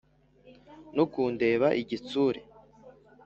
no kundeba igitsure